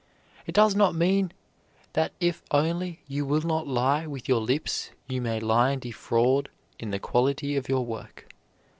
It does not mean that if only you will not lie with your lips you may lie and defraud in the quality of your work.